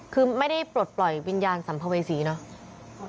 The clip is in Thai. คือไม่ได้ปลดปล่อยวิญญาณสัมภเวษีเนอะ